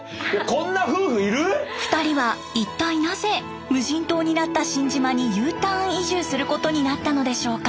２人は一体なぜ無人島になった新島にＵターン移住することになったのでしょうか？